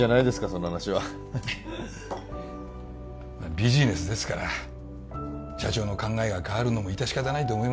その話はまあビジネスですから社長の考えが変わるのも致し方ないと思いますが